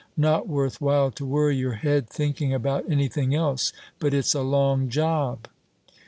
Not worth while to worry your head thinking about anything else. But it's a long job."